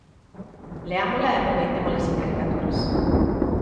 Leámola e aproveitémola sen caricaturas.